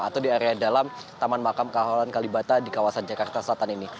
atau di area dalam taman makam kehawalan kalibata di kawasan jakarta selatan ini